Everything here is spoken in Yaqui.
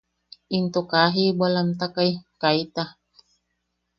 Into kaa jibwalamtakai, kaita.